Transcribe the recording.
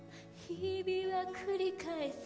「日々は繰り返す」